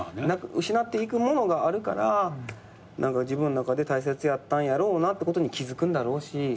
失っていくものがあるから自分の中で大切やったんやろうなってことに気付くんだろうし。